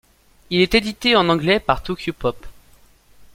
Il est édité en anglais par Tokyopop.